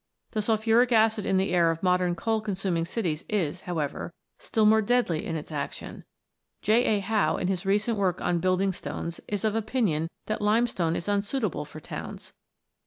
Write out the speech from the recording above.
The sulphuric acid in the air of modern coal consuming cities is, however, still more deadly in its action. J. A. Howe, in his recent work on building stones, is of opinion that limestone is unsuitable for towns.